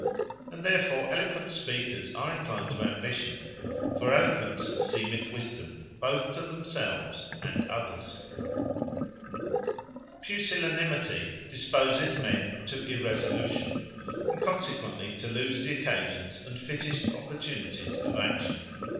And therefore Eloquent speakers are enclined to Ambition; for Eloquence seemeth wisdome, both to themselves and others Irresolution, From Too Great Valuing Of Small Matters Pusillanimity disposeth men to Irresolution, and consequently to lose the occasions, and fittest opportunities of action.